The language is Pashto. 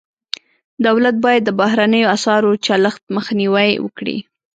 دولت باید د بهرنیو اسعارو چلښت مخنیوی وکړي.